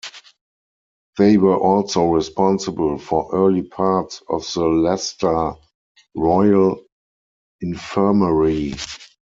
They were also responsible for early parts of the Leicester Royal Infirmary.